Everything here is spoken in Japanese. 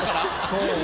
そう。